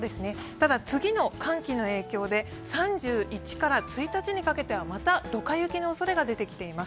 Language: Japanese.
ただ、次の寒気の影響で３１から１日にかけてはまた、ドカ雪のおそれが出てきています。